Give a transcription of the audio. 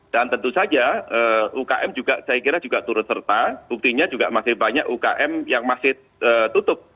dan tentu saja ukm juga saya kira juga turut serta buktinya juga masih banyak ukm yang masih tutup